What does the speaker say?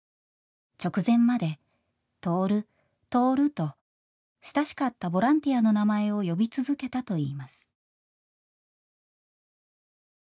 直前まで「徹徹」と親しかったボランティアの名前を呼び続けたといいます。